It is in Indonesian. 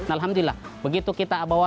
alhamdulillah begitu kita bawa